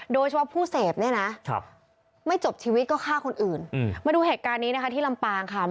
โดยเฉพาะผู้เสพเนี่ยนะไม่จบชีวิตก็ฆ่าคนอื่นมาดูเหตุการณ์นี้นะคะที่ลำปางค่ะ